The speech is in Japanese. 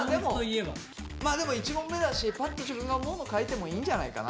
でも１問目だしパッと自分が思うもの書いてもいいんじゃないかな。